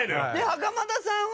袴田さんは？